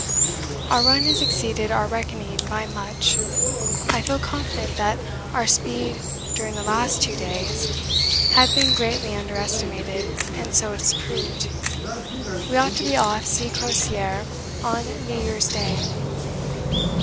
Our run has exceeded our reckoning by much. I feel confident that our speed during the last two days had been greatly under estimated and so it has proved. We ought to be off C. Crozier on New Year's Day.